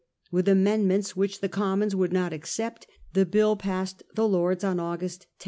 With amendments which the Commons would not accept Feeling in the bill passed the Lords on August 10.